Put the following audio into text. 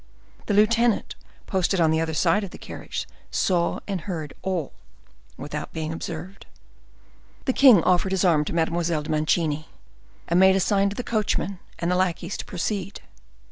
The lieutenant, posted on the other side of the carriage, saw and heard all without being observed. The king offered his arm to Mademoiselle de Mancini, and made a sign to the coachman and lackeys to proceed.